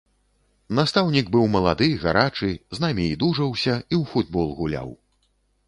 Настаўнік быў малады, гарачы, з намі і дужаўся, і ў футбол гуляў.